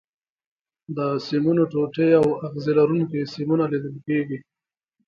د سیمونو ټوټې او اغزي لرونکي سیمونه لیدل کېږي.